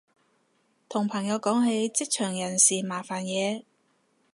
同朋友講起職場人事麻煩嘢